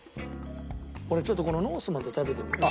俺ちょっとこのノースマンって食べてみよう。